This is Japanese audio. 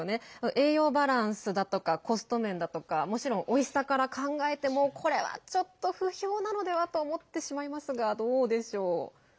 栄養バランスだとかコスト面だとかもちろん、おいしさから考えても、これはちょっと不評なのではと思ってしまいますがどうでしょう。